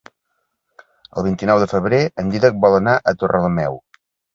El vint-i-nou de febrer en Dídac vol anar a Torrelameu.